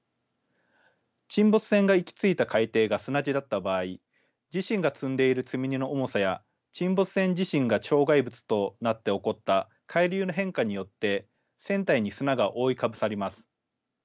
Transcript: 沈没船が行き着いた海底が砂地だった場合自身が積んでいる積み荷の重さや沈没船自身が障害物となって起こった海流の変化によって船体に砂が覆いかぶさります。